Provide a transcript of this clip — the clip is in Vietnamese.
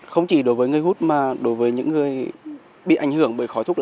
không chỉ ở những người useful còn đối với những người bị ảnh hưởng